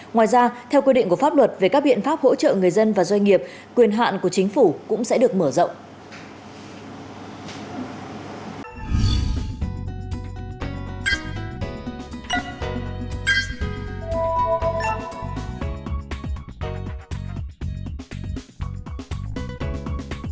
ngoài ra theo quy định của pháp luật về các biện pháp hỗ trợ người dân và doanh nghiệp quyền hạn của chính phủ cũng sẽ được mở rộng